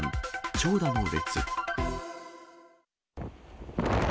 長蛇の列。